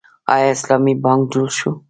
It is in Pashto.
آیا اسلامي بانک جوړ شو؟